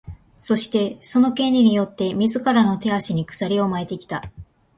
そして、その「権利」によって自らの手足に鎖を巻いてきた。